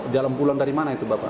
jalan pulang dari mana itu bapak